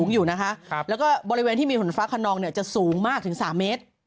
อยู่เราก็บริเวณที่มีฝนฟ้าขนองจะสูงมากถึง๓เมตร